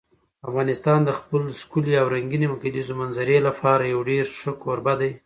افغانستان د خپلې ښکلې او رنګینې کلیزو منظره لپاره یو ډېر ښه کوربه دی.